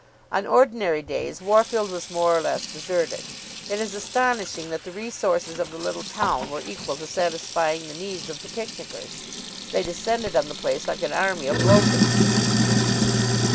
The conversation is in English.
On ordinary days Worfield was more or less deserted. It is astonishing that the resources of the little town were equal to satisfying the needs of the picnickers. They descended on the place like an army of locusts.